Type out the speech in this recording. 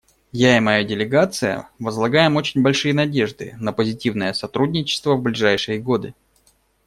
Я и моя делегация возлагаем очень большие надежды на позитивное сотрудничество в ближайшие годы.